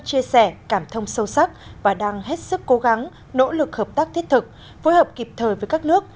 chia sẻ cảm thông sâu sắc và đang hết sức cố gắng nỗ lực hợp tác thiết thực phối hợp kịp thời với các nước